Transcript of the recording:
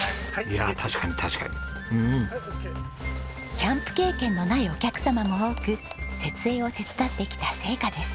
キャンプ経験のないお客様も多く設営を手伝ってきた成果です。